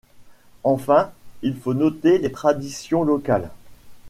Enfin, il faut noter les traditions locales.